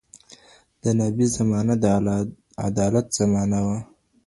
د نبي زمانه د عدالت زمانه وه.